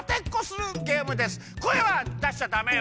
こえはだしちゃダメよ。